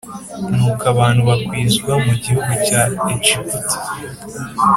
Nuko abantu bakwizwa mu gihugu cya Egiputa